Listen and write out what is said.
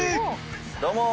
どうも！